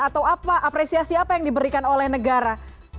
atau apa apresiasi apa yang diberikan oleh negara